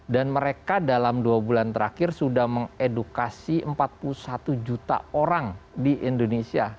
dan mereka dalam dua bulan terakhir sudah mengedukasi empat puluh satu juta orang di indonesia